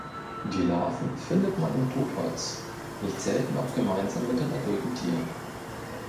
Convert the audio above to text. Die Larven findet man im Totholz, nicht selten auch gemeinsam mit den adulten Tieren.